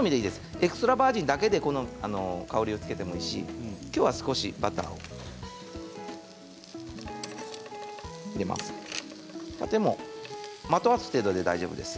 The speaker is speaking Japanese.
エクストラバージンだけでこの香りをつけてもいいしきょうは少しバターを入れます。